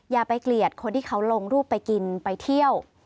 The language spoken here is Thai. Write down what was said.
อย่าไปเกลียดคนที่เขาลงรูปไปกินไปเที่ยว